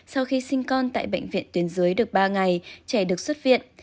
sau khi sinh con tại bệnh viện tuyến dưới được ba ngày trẻ được xuất viện